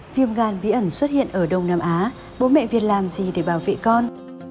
viêm gan bí ẩn xuất hiện ở đông nam á bố mẹ việt làm gì để bảo vệ con